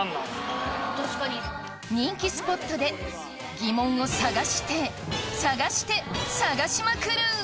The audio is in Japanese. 人気スポットでギモンを探して探して探しまくる！